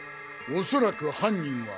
おそらく犯人は。